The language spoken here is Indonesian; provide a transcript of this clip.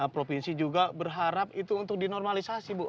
provinsi juga berharap itu untuk dinormalisasi bu